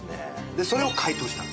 でそれを解凍したんです。